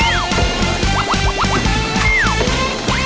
นั่งนั่งนั่ง